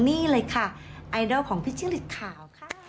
นี่เลยค่ะไอดอลของพี่จิ้งหลีกขาวค่ะ